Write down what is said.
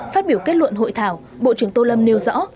phát biểu kết luận hội thảo bộ trưởng tô lâm nêu rõ